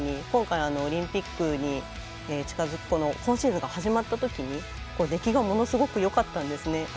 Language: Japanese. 今回、オリンピックに近づく今シーズンが始まったときに出来がものすごくよかったんですね。